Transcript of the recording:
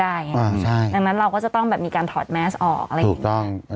ดังนั้นเราก็จะต้องแบบมีการถอดแมสออกอะไรอย่างนี้